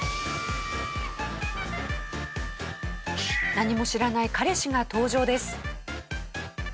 何も知らない彼氏が登場です。